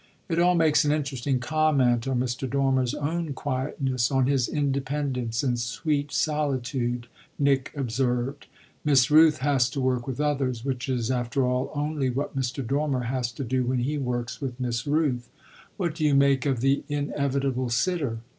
"It all makes an interesting comment on Mr. Dormer's own quietness, on his independence and sweet solitude," Nick observed. "Miss Rooth has to work with others, which is after all only what Mr. Dormer has to do when he works with Miss Rooth. What do you make of the inevitable sitter?"